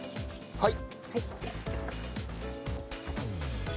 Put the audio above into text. はい。